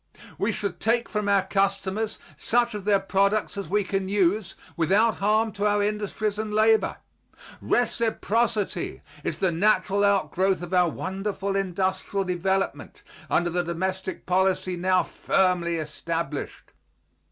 We should take from our customers such of their products as we can use without harm to our industries and labor. Reciprocity is the natural outgrowth of our wonderful industrial development under the domestic policy now firmly established.